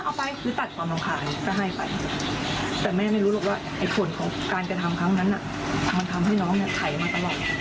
แต่แม่ไม่รู้หรอกว่าผลของการกระทำครั้งนั้นมันทำให้น้องไขมาตลอด